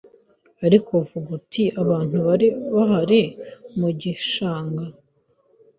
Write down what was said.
Ariko vuga uti Abantu bari bahari mugishanga